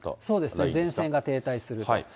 そうですね、前線が停滞すると。